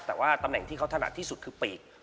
แต่ว่าตำแหน่งที่เขาถนัดที่สุดคือปีก